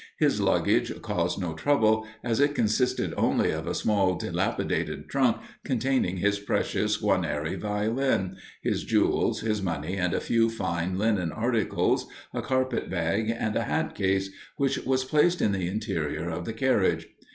His luggage caused no trouble, as it consisted only of a small dilapidated trunk, containing his precious Guarnieri Violin, his jewels, his money, and a few fine linen articles, a carpet bag, and a hat case, which was placed in the interior of the carriage.